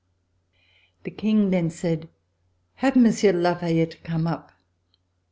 The King then said: "Have Monsieur de La Fa yette come up."